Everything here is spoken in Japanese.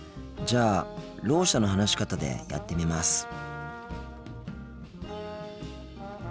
じゃあろう者の話し方でやってみます。